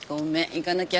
行かなきゃ。